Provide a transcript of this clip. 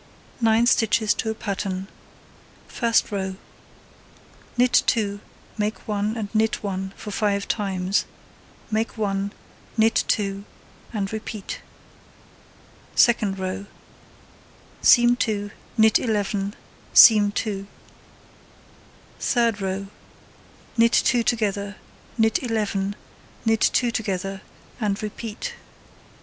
Nine stitches to a pattern. First row: Knit 2, (make 1 and knit 1 for five times,) make 1, knit 2, and repeat. Second row: Seam 2, knit 11, seam 2. Third row: Knit 2 together, knit 11, knit 2 together, and repeat.